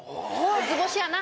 図星やな？